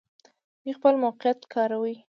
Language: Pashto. دوی خپل موقعیت کاروي.